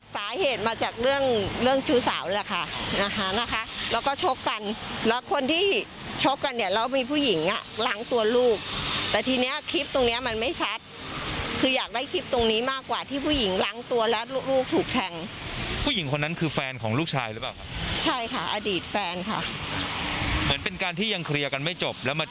สาเหตุมาจากเรื่องเรื่องชู้สาวแหละค่ะนะคะแล้วก็ชกกันแล้วคนที่ชกกันเนี่ยแล้วมีผู้หญิงอ่ะล้างตัวลูกแต่ทีเนี้ยคลิปตรงเนี้ยมันไม่ชัดคืออยากได้คลิปตรงนี้มากกว่าที่ผู้หญิงล้างตัวแล้วลูกลูกถูกแทงผู้หญิงคนนั้นคือแฟนของลูกชายหรือเปล่าใช่ค่ะอดีตแฟนค่ะเหมือนเป็นการที่ยังเคลียร์กันไม่จบแล้วมา